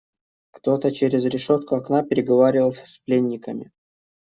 Кто-то через решетку окна переговаривался с пленниками.